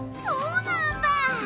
そうなんだ！